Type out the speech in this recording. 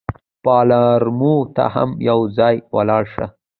پالرمو ته هم یو ځلي ولاړ شه.